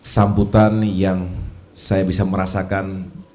sambutan yang saya bisa merasakan